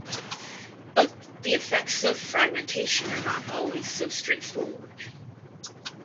But the effects of fragmentation are not always so straightforward.